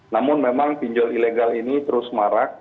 namun memang pinjol ilegal ini terus marak